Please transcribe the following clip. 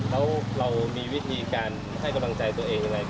แล้วเรามีวิธีการให้กำลังใจตัวเองยังไง